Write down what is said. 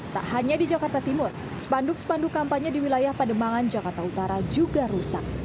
tak hanya di jakarta timur spanduk spanduk kampanye di wilayah pademangan jakarta utara juga rusak